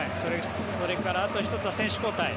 それからあと１つは選手交代。